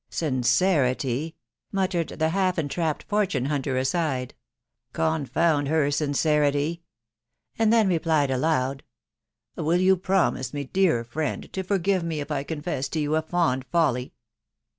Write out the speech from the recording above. " Sincerity !" muttered the half entrapped fortune hunter aside. ..." Confound her sincerity !".... and then replied aloud, — "Will you promise, dear friend,, to forgive me if I confess to you a fond. folly?"